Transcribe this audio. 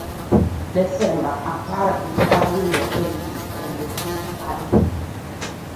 Desemba apargi ariyo e wi aluf ariyo: